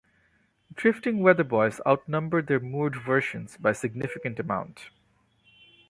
Drifting weather buoys outnumber their moored versions by a significant amount.